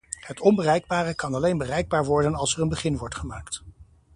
Het onbereikbare kan alleen bereikbaar worden als er een begin wordt gemaakt.